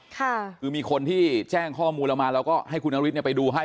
คือมีคนที่แจ้งข้อมูลเรามาเราก็ให้คุณนฤทธิ์ไปดูให้